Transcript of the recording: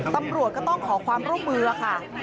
ตำรวจก็ต้องขอความร่วมมือค่ะ